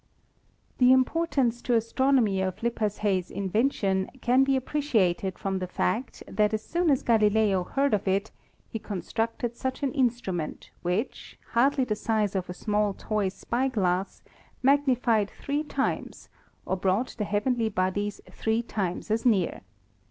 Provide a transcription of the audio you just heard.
The importance to astronomy of Lippershey's invention can be appreciated from the fact that as soon as Galileo heard of it he constructed such an instrument which, hardly the size of a small toy spyglass, magnified three times, or brought the heavenly bodies three times as near.